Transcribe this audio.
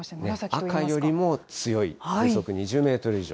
赤よりも強い風速２０メートル以上。